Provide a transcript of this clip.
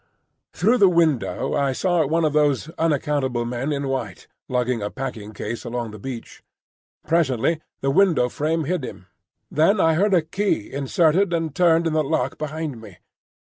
Through the window I saw one of those unaccountable men in white, lugging a packing case along the beach. Presently the window frame hid him. Then I heard a key inserted and turned in the lock behind me.